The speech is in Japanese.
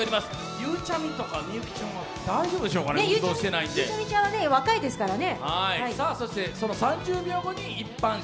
ゆうちゃみちゃんは若いですからね。